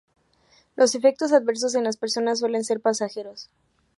Los efectos adversos en las personas suelen ser pasajeros.